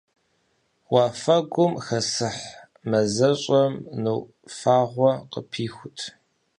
Уафэгум хэсыхь мазэщӀэм нур фагъуэ къыпихут.